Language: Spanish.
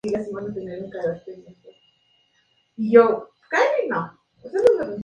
Continúa este trabajo hoy, y está acreditado como archivista jefe para el Lloyd Trust.